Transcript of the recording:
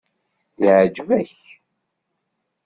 Yeɛjeb-ak?